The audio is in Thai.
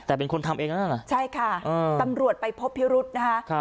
แต่เป็นคนทำเองนั่นแหละใช่ค่ะอืมตำรวจไปพบพี่รุษนะคะ